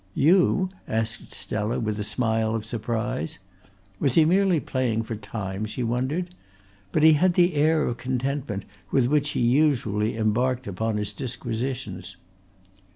"You?" asked Stella with a smile of surprise. Was he merely playing for time, she wondered? But he had the air of contentment with which he usually embarked upon his disquisitions.